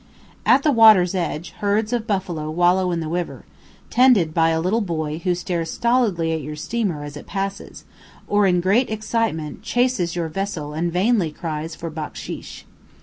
At the water's edge herds of buffaloes wallow in the river, tended by a little boy who stares stolidly at your steamer as it passes or, in great excitement, chases your vessel and vainly cries for "backshish."